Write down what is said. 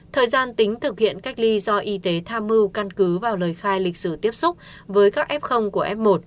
thời gian tính thực hiện cách ly do y tế tham mưu căn cứ vào lời khai lịch sử tiếp xúc với các f của f một